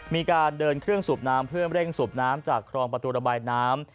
มีการเดินเครื่องสูบน้ำเพื่อเร่งสูบน้ำจากครองประตูระบายน้ำ